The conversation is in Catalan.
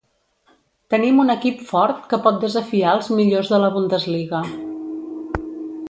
Tenim un equip fort que pot desafiar els millors de la Bundesliga.